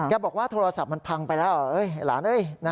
บอกว่าโทรศัพท์มันพังไปแล้วหลาน